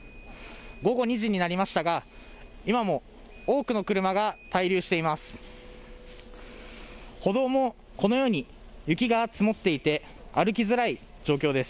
午後２時になりましたが今も多くの車が滞留しています。